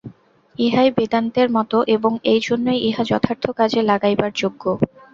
ইহাই বেদান্তের মত এবং এই জন্যই ইহা যথার্থ কাজে লাগাইবার যোগ্য।